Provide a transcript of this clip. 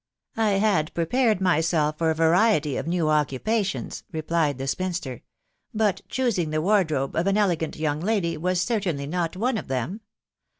" I had prepared myself for a variety of new occupations,'' replied the spinster ;" but choosing the wardrobe of an elegant ' young lady was certainly not one of them.